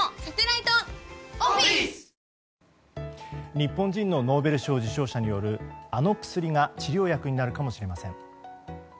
日本人のノーベル賞受賞者によるあの薬が治療薬になるかもしれません。